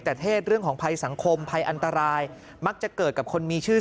แต่เทศเรื่องของภัยสังคมภัยอันตรายมักจะเกิดกับคนมีชื่อ